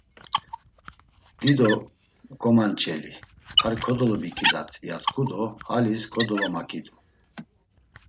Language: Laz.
Dido gomanç̌eli, ar kodolobiǩidat ya tku do alis kodolomaǩidu.